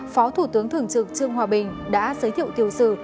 phó thủ tướng thường trực trương hòa bình đã giới thiệu tiểu sử